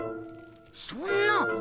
そんな。